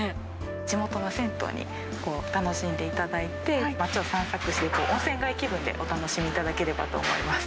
地元の銭湯に、楽しんでいただいて、街を散策して、温泉街気分で、お楽しみいただければと思います。